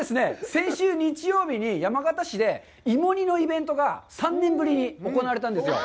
先週日曜日に山形市で芋煮のイベントが３年ぶりに行われたんですよ。